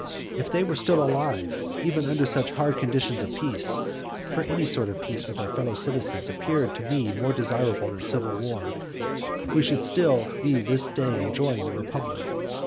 And if they were still alive, under ever such hard conditions of peace, (for any sort of peace with our fellow citizens appeared to me more desirable than civil war,) we should be still this day enjoying the republic.